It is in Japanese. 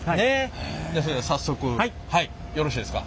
じゃあそれでは早速よろしいですか？